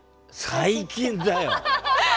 最近だよ。